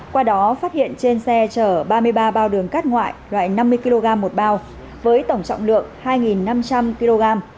qua đó phát hiện trên xe chở ba mươi ba bao đường cát ngoại loại năm mươi kg một bao với tổng trọng lượng hai năm trăm linh kg